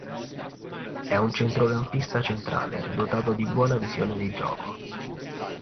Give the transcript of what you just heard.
È un centrocampista centrale dotato di buona visione di gioco.